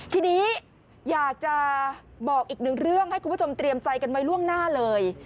ทีนี้อยากจะบอกอีกหนึ่งเรื่องให้คุณผู้ชมเตรียมใจกันไว้ล่วงหน้าเลย